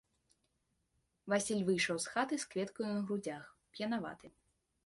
Васіль выйшаў з хаты з кветкаю на грудзях, п'янаваты.